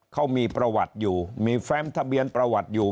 เขามีประวัติอยู่มีแฟมทะเบียนประวัติอยู่